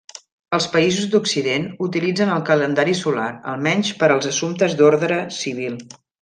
Els països d'Occident utilitzen el calendari solar, almenys per als assumptes d'ordre civil.